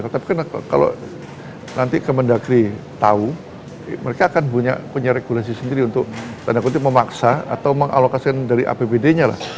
tapi kan kalau nanti kemendagri tahu mereka akan punya regulasi sendiri untuk tanda kutip memaksa atau mengalokasikan dari apbd nya lah